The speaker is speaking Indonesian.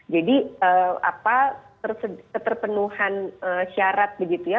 jadi apa keterpenuhan syarat begitu ya